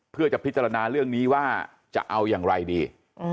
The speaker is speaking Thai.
เพื่อจะพิจารณาเรื่องนี้ว่าจะเอาอย่างไรดี